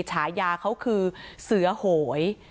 ฉายาเขาคือเสือโหย